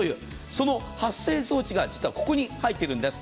その発生装置が実はここに入っているんです。